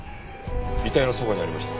遺体のそばにありました。